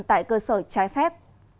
tại cơ sở trái phép